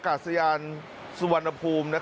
โอเนี่ยสุริยายิ้มเลย